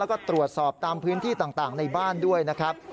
แล้วก็ตรวจสอบตามพื้นที่ต่างในบ้านด้วยนะครับ